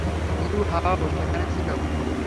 ইউহাওয়াও সেখানে ছিল।